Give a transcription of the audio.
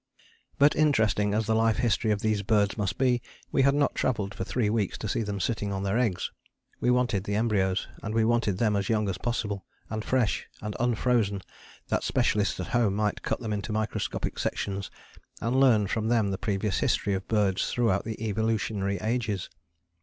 But interesting as the life history of these birds must be, we had not travelled for three weeks to see them sitting on their eggs. We wanted the embryos, and we wanted them as young as possible, and fresh and unfrozen that specialists at home might cut them into microscopic sections and learn from them the previous history of birds throughout the evolutionary ages.